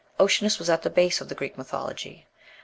Oceanus was at the base of the Greek mythology.